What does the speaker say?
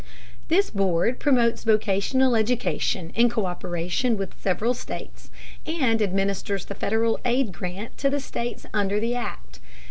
This board promotes vocational education in co÷peration with the several states, and administers the Federal aid granted to the states under the Act.